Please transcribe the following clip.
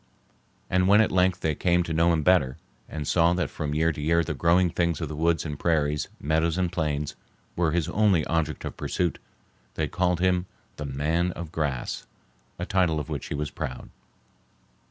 And when at length they came to know him better, and saw that from year to year the growing things of the woods and prairies, meadows and plains, were his only object of pursuit, they called him the "Man of Grass," a title of which he was proud.